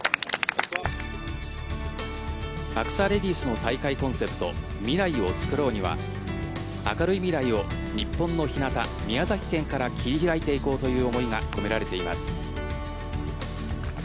アクサレディスの大会コンセプト「みらいをつくろう！」には明るい未来を日本のひなた・宮崎県から切り開いていこうという思いが込められています。